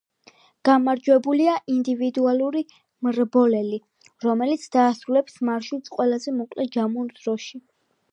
გამარჯვებულია ინდივიდუალური მრბოლელი, რომელიც დაასრულებს მარშრუტს ყველაზე მოკლე ჯამურ დროში.